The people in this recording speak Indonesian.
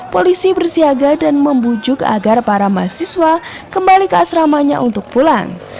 polisi bersiaga dan membujuk agar para mahasiswa kembali ke asramanya untuk pulang